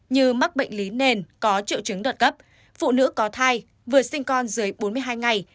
như mắc bệnh lý nền có triệu chứng đợt cấp phụ nữ có thai vừa sinh con dưới bốn mươi hai ngày